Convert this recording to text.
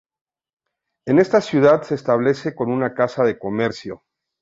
En esta ciudad se establece con una casa de comercio.